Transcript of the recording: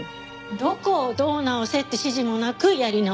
どこをどう直せって指示もなくやり直しばかり。